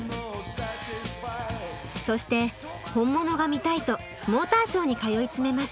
そして本物が見たいとモーターショーに通い詰めます。